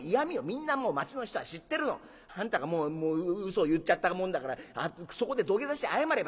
みんなもう町の人は知ってるの。あんたが嘘を言っちゃったもんだからそこで土下座して謝ればよかったのよ。